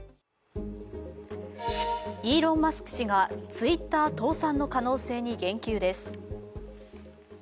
イーロン・マスク氏が、Ｔｗｉｔｔｅｒ倒産の可能性に言及です。